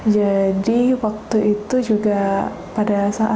jadi waktu itu juga pada saat itu saya berada di kawasan pemencutan